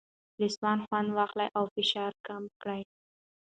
له سونا خوند واخلئ او فشار کم کړئ.